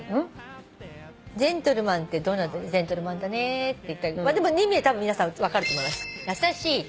ジェントルマンってどんなジェントルマンだねって言ったりでも意味は皆さん分かると思います。